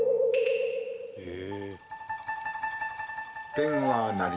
へえ。